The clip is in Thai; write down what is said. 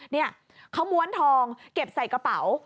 นี่เขาม้วนทองเก็บใส่กระเป๋า